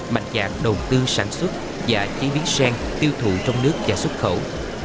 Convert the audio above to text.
mạnh dạng đầu tư sản xuất và chế biến sen tiêu thụ trong nước và xuất khẩu